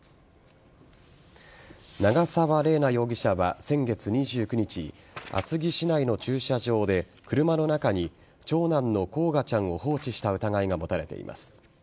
長沢麗奈容疑者は先月２９日厚木市内の駐車場で車の中に長男の煌翔ちゃんを放置した疑いが持たれています。